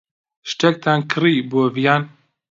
شتێکتان کڕی بۆ ڤیان.